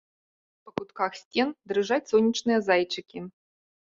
Па кутках сцен дрыжаць сонечныя зайчыкі.